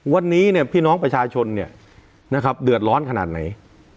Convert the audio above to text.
วันนี้เนี่ยพี่น้องประชาชนเนี่ยนะครับเดือดร้อนขนาดไหน